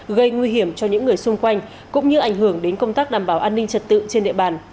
gây nguy hiểm cho những người xung quanh cũng như ảnh hưởng đến công tác đảm bảo an ninh trật tự trên địa bàn